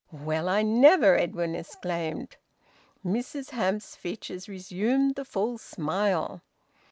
"Well, I never!" Edwin exclaimed. Mrs Hamps's features resumed the full smile.